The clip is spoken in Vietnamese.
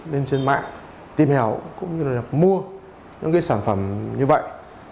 nên trên mạng tìm hiểu cũng như là được mua những cái sản phẩm như vậy